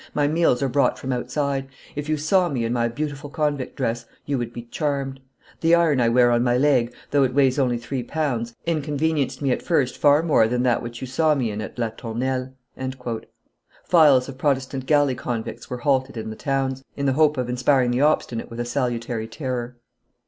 "My meals are brought from outside; if you saw me in my beautiful convict dress, you would be charmed. The iron I wear on my leg, though it weighs only three pounds, inconvenienced me at first far more than that which you saw me in at La Tournelle." Files of Protestant galley convicts were halted in the towns, in the hope of inspiring the obstinate with a salutary terror.